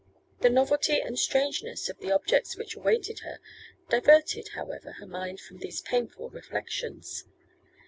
The novelty and strangeness of the objects which awaited her, diverted, however, her mind from these painful reflections.